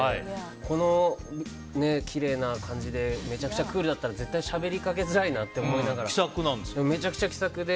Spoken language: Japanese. このきれいな感じでめちゃくちゃクールだったら絶対しゃべりかけづらいなと思ってでも、めちゃくちゃ気さくで。